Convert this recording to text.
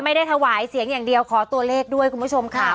ไม่ได้ถวายเสียงอย่างเดียวขอตัวเลขด้วยคุณผู้ชมค่ะ